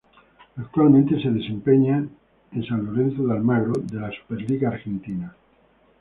Actualmente se desempeña en San Lorenzo de Almagro de la Superliga Argentina.